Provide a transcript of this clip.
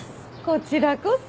こちらこそ。